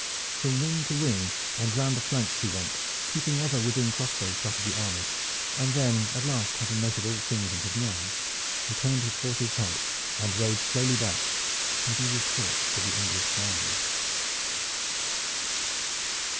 From wing to wing and round the flanks he went, keeping ever within crossbow shot of the army, and then at last having noted all things in his mind he turned his horse's head and rode slowly back, heavy with thought, to the English lines.